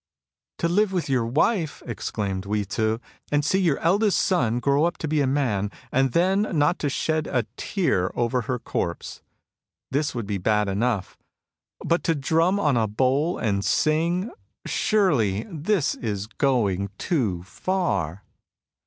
" To live with your wife," exclaimed Hui Tzii, " and see your eldest son grow up to be a man, and then not to shed a tear over her corpse, — this would be bad enough. But to drum on a bowl, and sing ; surely this is going too far."